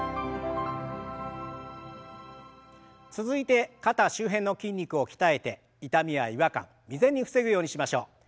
続いて肩周辺の筋肉を鍛えて痛みや違和感未然に防ぐようにしましょう。